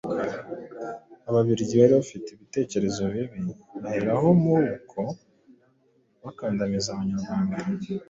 Ababiligi bari bafite ibitekerezo bibi baheraho muri uko gukandamiza Abanyarwanda